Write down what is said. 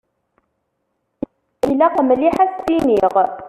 Ilaq mliḥ ad as-tt-iniɣ!